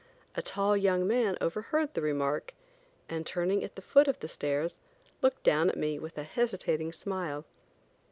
A tall young man overheard the remark, and turning at the foot of the stairs, looked down at me with a hesitating smile.